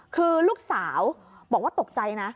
คือลูกสาวบอกว่าตกใจนะ